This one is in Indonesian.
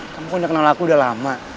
kamu kok udah kenal aku udah lama